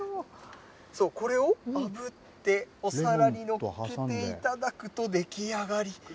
これをあぶって、お皿にのっけていただくと出来上がり。